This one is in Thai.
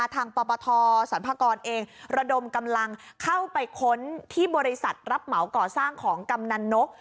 ปปทสรรพากรเองระดมกำลังเข้าไปค้นที่บริษัทรับเหมาก่อสร้างของกำนันนก